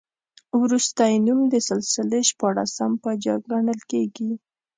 وروستی نوم د سلسلې شپاړسم پاچا ګڼل کېږي.